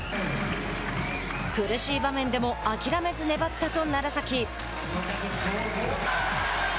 苦しい場面でも諦めず粘ったと楢崎。